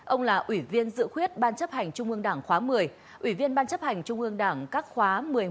ông là ủy viên dự khuyết ban chấp hành trung ương đảng khóa một mươi ủy viên ban chấp hành trung ương đảng các khóa một mươi một một mươi hai một mươi ba